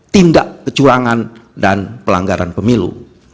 tindak kecurangan dan pelanggaran pemilu